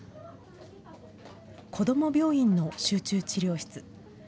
こども病院の集中治療室。